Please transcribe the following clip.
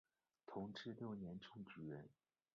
同治六年中举人。